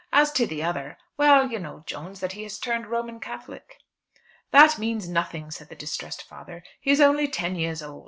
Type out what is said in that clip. "As to the other; well, you know, Jones, that he has turned Roman Catholic." "That means nothing," said the distressed father. "He is only ten years old.